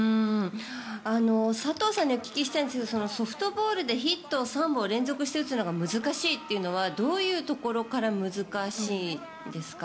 佐藤さんにお聞きしたいんですがソフトボールでヒットを３本連続して打つのが難しいというのはどういうところから難しいんですか？